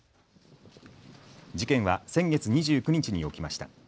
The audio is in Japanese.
事件は先月２９日に起きました。